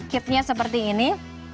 kitnya seperti ini